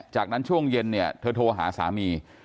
จากนั้นช่วงเย็นเนี่ยเธอโทรหาสามี